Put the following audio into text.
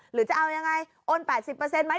หรือจะเอายังไงโอน๘๐ไหม